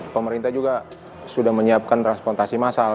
pemerintah juga sudah menyiapkan transportasi massal